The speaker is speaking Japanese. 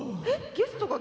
ゲストも。